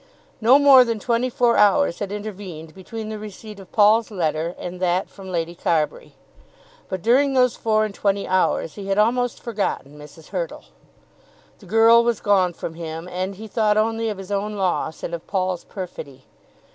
No more than twenty four hours had intervened between the receipt of Paul's letter and that from Lady Carbury, but during those four and twenty hours he had almost forgotten Mrs. Hurtle. The girl was gone from him, and he thought only of his own loss and of Paul's perfidy.